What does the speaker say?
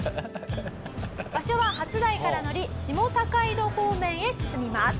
場所は初台から乗り下高井戸方面へ進みます。